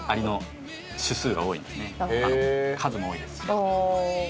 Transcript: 数も多いですし」